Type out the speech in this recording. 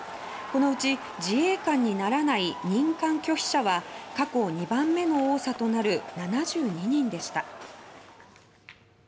このうち自衛官にならない任官拒否者は過去２番目の多さとなる７２人でした。